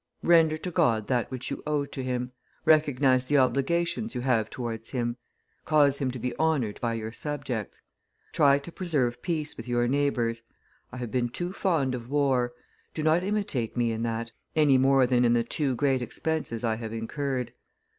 Render to God that which you owe to Him; recognize the obligations you have towards Him; cause Him to be honored by your subjects. Try to preserve peace with your neighbors. I have been too fond of war; do not imitate me in that, any more than in the too great expenses I have incurred.